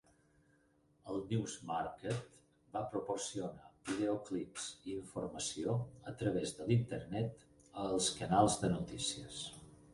El NewsMarket va proporcionar videoclips i informació a través de l'Internet a els canals de notícies.